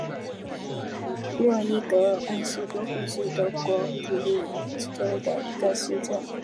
诺伊格尔恩斯多夫是德国图林根州的一个市镇。